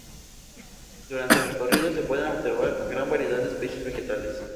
Durante el recorrido se pueden observar gran variedad de especies vegetales.